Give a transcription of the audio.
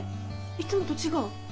いつもと違う。